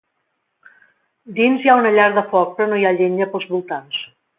Dins hi ha una llar de foc però no hi ha llenya pels voltants.